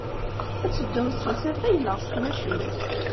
Ad teddumt s usafag neɣ s tmacint?